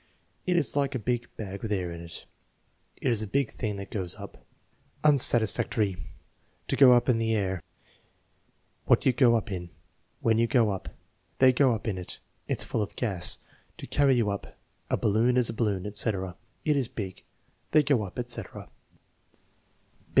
"It is like a big bag with air in it. "It is a big thing that goes up." Unsatisfactory. "To go up in the air." "What you go up in." "When you go up." "They go up in it." "It's full of gas." "To carry you up.'* "A balloon is a balloon," etc. "It is big." "They go up/* etc. TEST NO.